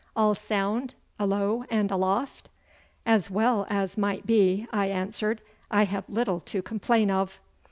All sound, alow and aloft?' 'As well as might be,' I answered. 'I have little to complain of.